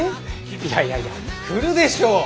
いやいやいや来るでしょ。